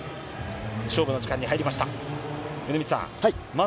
勝負の時間に入りました。